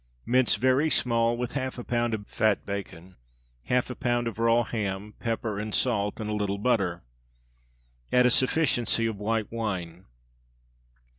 Mince very small, with half a pound of fat bacon, half a pound of raw ham, pepper and salt, and a little butter. Add a sufficiency of white wine.